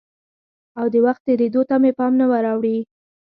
او د وخت تېرېدو ته مې پام نه وراوړي؟